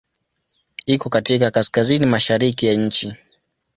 Iko katika kaskazini-mashariki ya nchi.